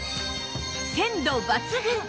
鮮度抜群